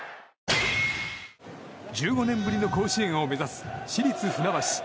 １５年ぶりの甲子園を目指す市立船橋。